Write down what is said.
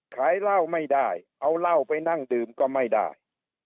ขายเหล้าไม่ได้เอาเหล้าไปนั่งดื่มก็ไม่ได้